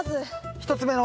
１つ目の。